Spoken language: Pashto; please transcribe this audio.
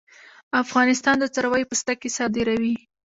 افغانستان د څارویو پوستکي صادروي